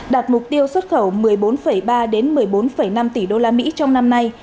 đạt mục tiêu xuất khẩu một mươi bốn ba một mươi bốn năm tỷ đô la mỹ trong năm nay